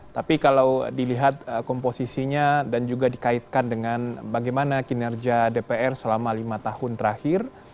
tapi kalau dilihat komposisinya dan juga dikaitkan dengan bagaimana kinerja dpr selama lima tahun terakhir